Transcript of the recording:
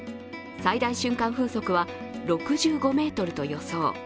最大瞬間風速は６５メートルと予想。